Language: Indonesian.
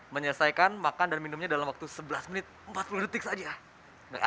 menyelesaikan makan dan minumnya dalam waktu sebelas menit empat puluh detik saja